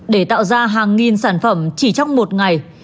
để tạo ra hàng nghìn sản phẩm chỉ trong một ngày